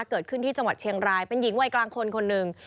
เกิดขึ้นที่จังหวัดเชียงรายเป็นหญิงวัยกลางคนคนหนึ่ง